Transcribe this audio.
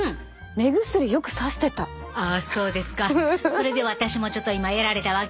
それで私もちょっと今やられたわけやね。